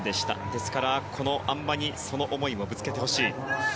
ですから、このあん馬にその思いもぶつけてほしい。